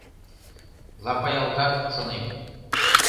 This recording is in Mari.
Лапаялтат, шонем.